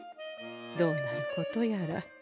どうなることやら。